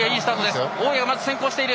大矢、まず先行している。